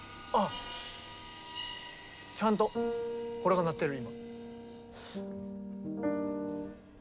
ちゃんとこれが鳴ってる今。